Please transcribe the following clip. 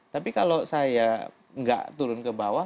tapi kalau saya nggak turun ke bawah